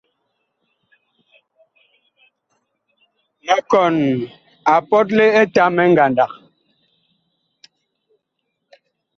Mikɔn a pɔtle Etamɛ ngandag.